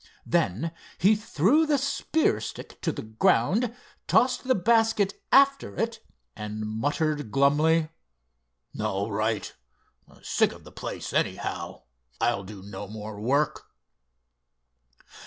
Then he threw the spear stick to the ground, tossed the basket after it and muttered glumly: "All right. Sick of the place anyhow. I'll do no more work!"